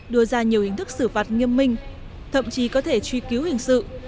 đưa ra nhiều hình thức xử phạt nghiêm minh thậm chí có thể truy cứu hình sự